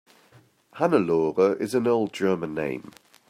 Hannelore is an old German name.